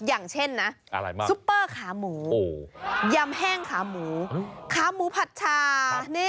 อย่างเช่นนะซุปเปอร์ขาหมูยำแห้งขาหมูขาหมูผัดชา